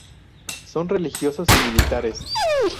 Son religiosos y militares.